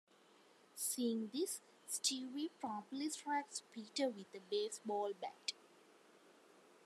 Seeing this, Stewie promptly strikes Peter with a baseball bat.